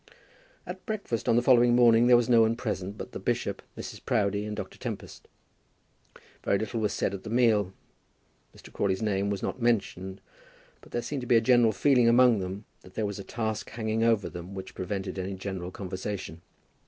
At breakfast on the following morning there was no one present but the bishop, Mrs. Proudie, and Dr. Tempest. Very little was said at the meal. Mr. Crawley's name was not mentioned, but there seemed to be a general feeling among them that there was a task hanging over them which prevented any general conversation.